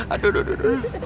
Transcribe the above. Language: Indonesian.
aduh duduh duduh